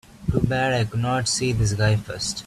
Too bad I couldn't see this guy first.